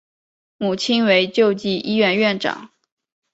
母亲为救济医院院长。